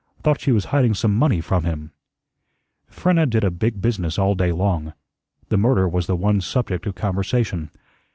Thought she was hiding some money from him." Frenna did a big business all day long. The murder was the one subject of conversation.